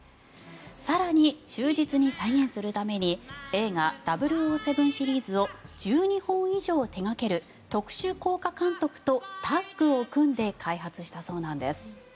更に、忠実に再現するために映画「００７」シリーズを１２本以上手掛ける特殊効果監督とタッグを組んで開発したそうなんです。